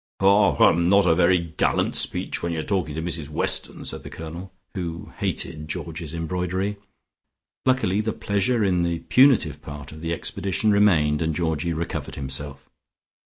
"Haw, hum, not a very gallant speech, when you're talking to Mrs Weston," said the Colonel, who hated Georgie's embroidery. Luckily the pleasure in the punitive part of the expedition remained and Georgie recovered himself.